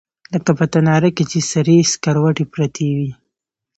لکه په تناره کښې چې سرې سکروټې پرتې وي.